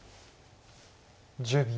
１０秒。